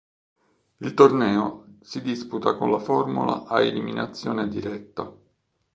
Il torneo si disputa con la formula a eliminazione diretta.